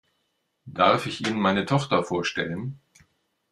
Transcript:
Darf ich Ihnen meine Tochter vorstellen?